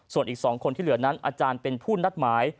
ส่วนอีก๒คนที่เหลือนั้นอาจารย์เป็นผู้นัดหมาย